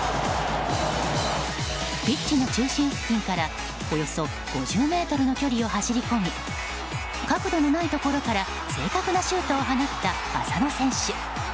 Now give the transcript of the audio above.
ピッチの中心付近からおよそ５０ｍの距離を走り込み角度のないところから正確なシュートを放った浅野選手。